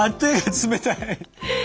冷たい。